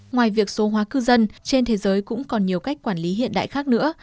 ngoài việc số hóa cư dân trên thế giới cũng còn nhiều cách quản lý hiện đại khác nữa